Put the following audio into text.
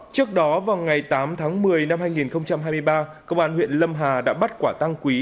trước đó vào ngày tám tháng một mươi năm hai nghìn hai mươi ba công an huyện lâm hà đã bắt quả tăng quý